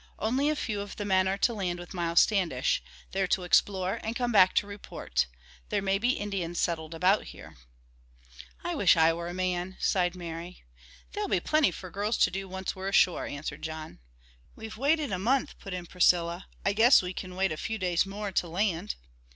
"Only a few of the men are to land with Miles Standish. They're to explore and come back to report. There may be Indians settled about here." "I wish I were a man," sighed Mary. "There'll be plenty for girls to do once we're ashore," answered John. "We've waited a month," put in Priscilla. "I guess we can wait a few days more to land."